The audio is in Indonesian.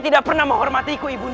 tidak ada alasan